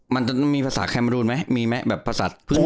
มันจะมีภาษาแคมรูนไหมมีไหมแบบภาษาพื้น